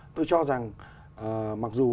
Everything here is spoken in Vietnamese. tôi cho rằng mặc dù